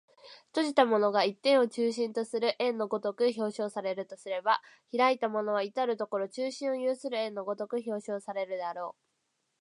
閉じたものが一点を中心とする円の如く表象されるとすれば、開いたものは到る処中心を有する円の如く表象されるであろう。